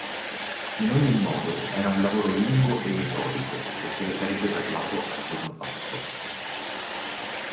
In ogni modo, era un lavoro lungo e metodico e se ne sarebbe parlato a giorno fatto.